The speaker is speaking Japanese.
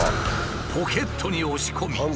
ポケットに押し込み。